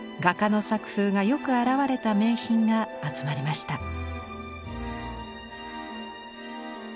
画家の作風がよく表れた名品が集まりました。